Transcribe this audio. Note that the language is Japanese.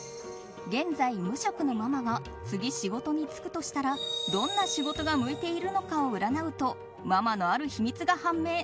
現在、無職のママは次、仕事に就くとしたらどんな仕事が向いているのかを占うとママのある秘密が判明。